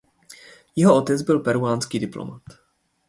Jeho otec byl peruánský diplomat.